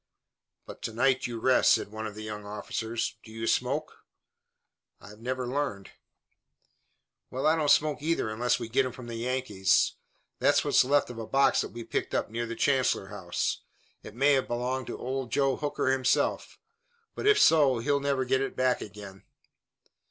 "But to night you rest," said one of the young officers. "Do you smoke?" "I've never learned." "Well, I don't smoke either unless we get 'em from the Yankees. Here's what's left of a box that we picked up near the Chancellor House. It may have belonged to Old Joe Hooker himself, but if so he'll never get it back again."